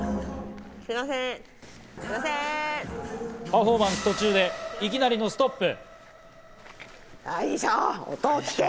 パフォーマンス途中でいきなりのストップ。